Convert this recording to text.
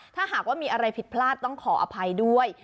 ถ้าหากว่ามีอะไรผิดพลาดต้องขออภัยด้วย